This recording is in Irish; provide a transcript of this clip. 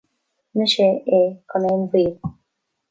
Rinne sé é gan aon mhoill.